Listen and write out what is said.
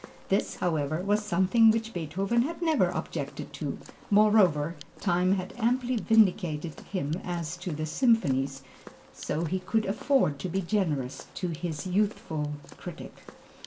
This, however, was something which Beethoven had never objected to; moreover, time had amply vindicated him as to the symphonies, so he could afford to be generous to his youthful critic.